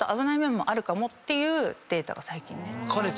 ていうデータが最近ね。